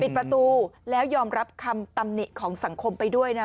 ประตูแล้วยอมรับคำตำหนิของสังคมไปด้วยนะ